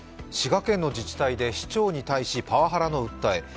滋賀県の自治体で市長に対してパワハラの訴え。